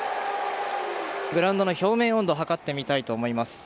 グラウンドの表面温度を測ってみたいと思います。